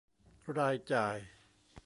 รายจ่าย